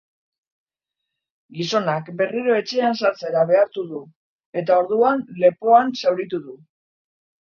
Gizonak berriro etxean sartzera behartu du, eta orduan lepoan zauritu du.